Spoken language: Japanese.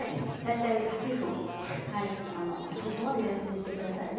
８分を目安にして下さいね。